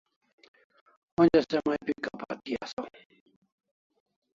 Onja se mai pi kapha thi asaw